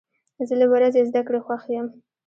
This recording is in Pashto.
زه له ورځې زده کړې خوښ یم.